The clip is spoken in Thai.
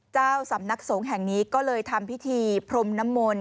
เจ้าสำนักสงฆ์แห่งนี้ก็เลยทำพิธีพรมน้ำมนต์